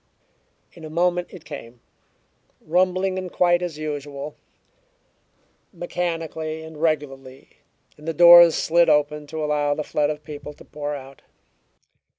In a moment it came, rumbling in quite as usual, mechanically and regularly, and the doors slid open to allow the flood of people to pour out.